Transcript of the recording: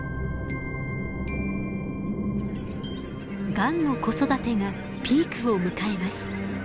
ガンの子育てがピークを迎えます。